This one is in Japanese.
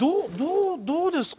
どうですか？